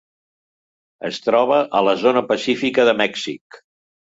Es troba a la zona pacífica de Mèxic.